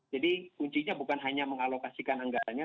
jadi kuncinya bukan hanya mengalokasikan anggarannya